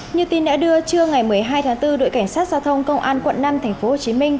như tin đã đưa trưa ngày một mươi hai tháng bốn đội cảnh sát giao thông công an quận năm tp hcm